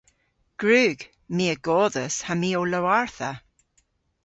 Gwrug. My a godhas ha my ow lowartha.